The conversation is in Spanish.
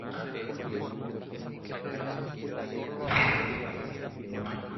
Melina es muy cercana a ellas y las considera sus hermanas.